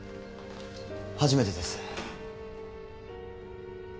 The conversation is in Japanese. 初めてです。